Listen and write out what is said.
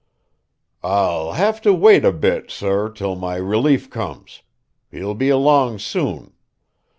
"I'll have to wait a bit, sor, till my relief comes. He'll be along soon.